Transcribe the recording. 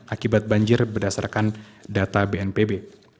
akibat banjir berdasarkan data bnpb